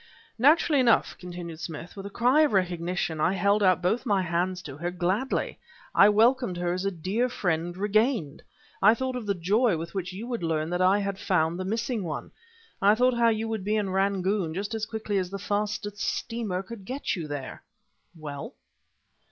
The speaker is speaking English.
"Naturally enough," continued Smith, "with a cry of recognition I held out both my hands to her, gladly. I welcomed her as a dear friend regained; I thought of the joy with which you would learn that I had found the missing one; I thought how you would be in Rangoon just as quickly as the fastest steamer could get you there..." "Well?"